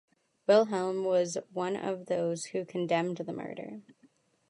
Wilhelm was one of those who condemned the murder.